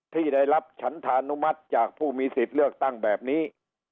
ที่ได้รับฉันธานุมัติจากผู้มีสิทธิ์เลือกตั้งแบบนี้